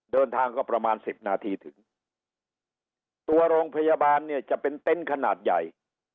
เดินทางก็ประมาณสิบนาทีถึงตัวโรงพยาบาลเนี่ยจะเป็นเต็นต์ขนาดใหญ่